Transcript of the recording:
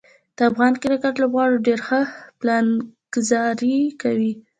د افغان کرکټ لوبغاړو ډیر ښه پلانګذاري کوي.